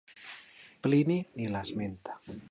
Plini ni l'esmenta.